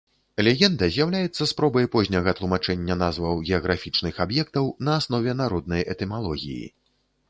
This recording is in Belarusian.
Легенда з'яўляецца спробай позняга тлумачэння назваў геаграфічных аб'ектаў на аснове народнай этымалогіі.